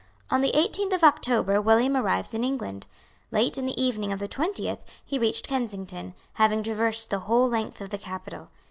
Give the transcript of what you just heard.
On the eighteenth of October William arrived in England. Late in the evening of the twentieth he reached Kensington, having traversed the whole length of the capital.